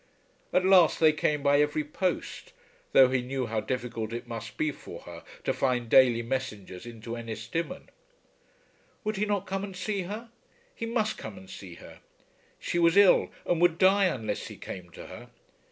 At last they came by every post, though he knew how difficult it must be for her to find daily messengers into Ennistimon. Would he not come and see her? He must come and see her. She was ill and would die unless he came to her.